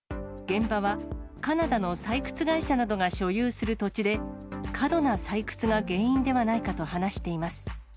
現場はカナダの採掘会社などが所有する土地で、過度な採掘が原因ではないかと話しています。